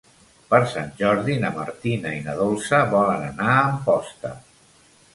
Per Sant Jordi na Martina i na Dolça volen anar a Amposta.